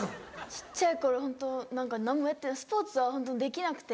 小っちゃい頃ホント何もやってないスポーツはホントできなくて。